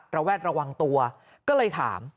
ระแวดระวังตัวก็เลยถาม